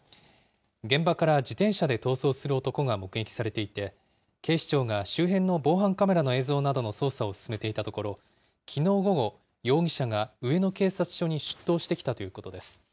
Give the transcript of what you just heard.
現場から自転車で逃走する男が目撃されていて、警視庁が周辺の防犯カメラの映像などの捜査を進めていたところ、きのう午後、容疑者が上野警察署に出頭してきたということです。